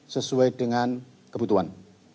sesuai dengan kebutuhan